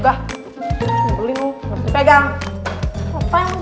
ngapain kunci kunci segala